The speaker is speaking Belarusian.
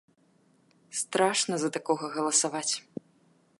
Страшна за такога галасаваць.